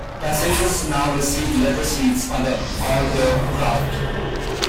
Passengers now receive leather seats on all aircraft.